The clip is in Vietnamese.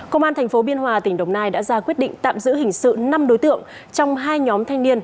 công an tp biên hòa tỉnh đồng nai đã ra quyết định tạm giữ hình sự năm đối tượng trong hai nhóm thanh niên